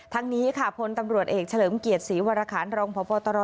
ทั้งนี้ค่ะพลตำรวจเอกเฉลิมเกียรติศรีวรคารรองพบตร